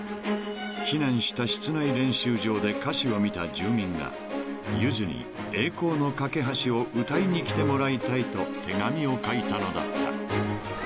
［避難した室内練習場で歌詞を見た住民がゆずに『栄光の架橋』を歌いに来てもらいたいと手紙を書いたのだった］